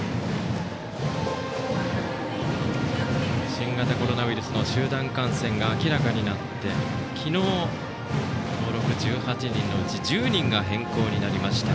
新型コロナウイルスの集団感染が明らかになって昨日、登録１８人のうち１０人が変更になりました。